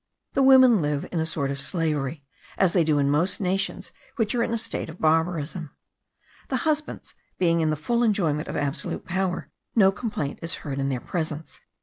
The women live in a sort of slavery, as they do in most nations which are in a state of barbarism. The husbands being in the full enjoyment of absolute power, no complaint is heard in their presence.